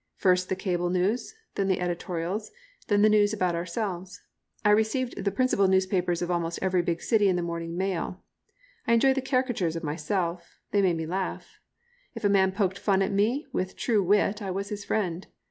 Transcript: First the cable news, then the editorials, then the news about ourselves. I received the principal newspapers of almost every big city in the morning mail I enjoyed the caricatures of myself, they made me laugh. If a man poked fun at me with true wit I was his friend.